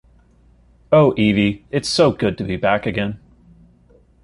Oh, Evie, it’s so good to be back again.